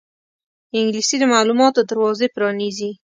انګلیسي د معلوماتو دروازې پرانیزي